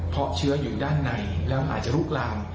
เพราะเชื้ออยู่ด้านในแล้วอาจจะลุกลาม